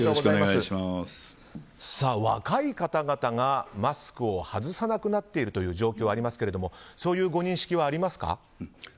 若い方々がマスクを外さなくなっているという状況がありますがそういうご認識はありますか。